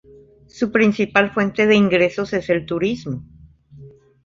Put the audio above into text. Su principal fuente de ingresos es el turismo.